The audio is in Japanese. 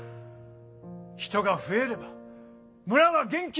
人が増えれば村は元気になるんです！